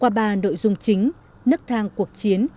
qua bà nội dung chính nước thang cuộc chiến